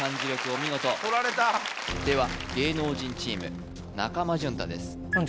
お見事では芸能人チーム中間淳太です